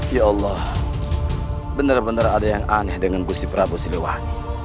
ya allah benar benar ada yang aneh dengan musik prabu siliwangi